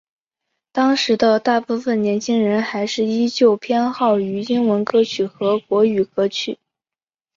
当时的大部份年轻人还是依旧偏好于英文歌曲和国语歌曲。